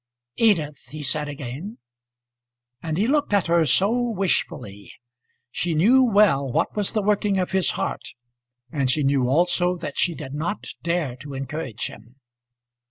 "Edith," he said, again. And he looked at her so wishfully! She knew well what was the working of his heart, and she knew also that she did not dare to encourage him.